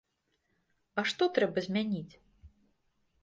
А што трэба змяніць?